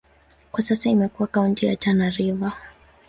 Kwa sasa imekuwa kaunti ya Tana River.